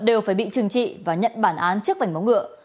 đều phải bị trừng trị và nhận bản án trước vảnh móng ngựa